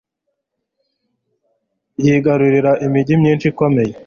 yigarurira imigi myinshi ikomeye